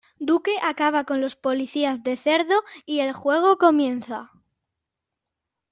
Duke acaba con los Policías de cerdo y el juego comienza.